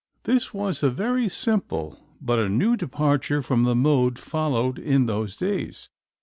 This was a very simple, but a new departure from the mode followed in those days.